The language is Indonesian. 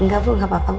enggak bu gak apa apa bu